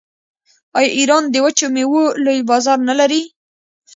آیا ایران د وچو میوو لوی بازار نلري؟